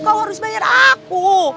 kau harus bayar aku